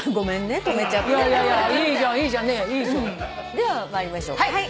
では参りましょうか。